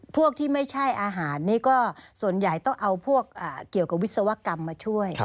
พวกที่ไม่ใช่อาหารนี่ก็ส่วนใหญ่ต้องเอาพวกเกี่ยวกับวิศวกรรมมาช่วย